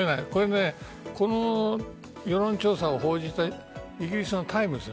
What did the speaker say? この世論調査を報じたイギリスのタイムズ。